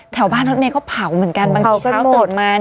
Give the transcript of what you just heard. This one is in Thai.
แถวบ้านรถเมย์ก็เผาเหมือนกันบางทีเช้าตื่นมา